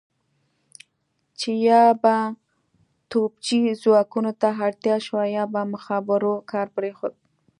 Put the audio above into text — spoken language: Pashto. چې یا به توپچي ځواکونو ته اړتیا شوه یا به مخابرو کار پرېښود.